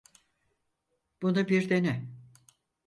Bunu bir dene.